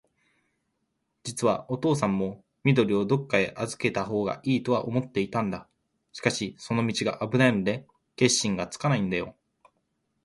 じつはおとうさんも、緑をどっかへあずけたほうがいいとは思っていたんだ。しかし、その道があぶないので、決心がつかないんだよ。